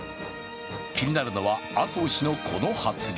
気になるのは麻生氏のこの発言。